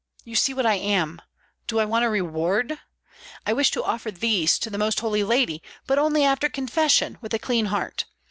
You see what I am. Do I want a reward? I wish to offer these to the Most Holy Lady; but only after confession, with a clean heart.